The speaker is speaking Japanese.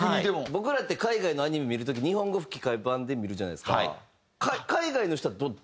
僕らって海外のアニメ見る時日本語吹き替え版で見るじゃないですか。